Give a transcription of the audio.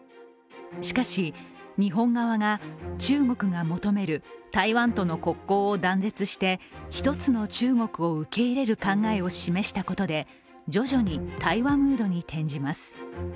しかし、日本側が中国が求める台湾との国交を断絶して一つの中国を受け入れる考えを示したことで徐々に対話ムードに転じます。